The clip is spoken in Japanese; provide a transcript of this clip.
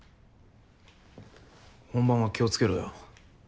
本番は気を付けろよ。